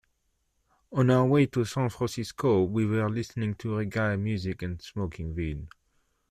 On our way to San Francisco, we were listening to reggae music and smoking weed.